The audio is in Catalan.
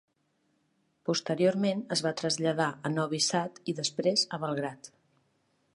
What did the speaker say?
Posteriorment es va traslladar a Novi Sad i després a Belgrad.